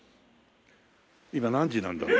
今何時なんだろう？